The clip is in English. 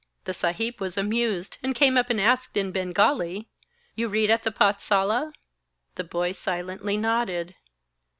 The Saheb was amused and came up and asked in Bengali: 'You read at the pathsala?' The boy silently nodded.